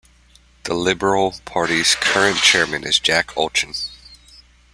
The Liberal Party's current chairman is Jack Olchin.